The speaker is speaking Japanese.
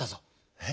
え⁉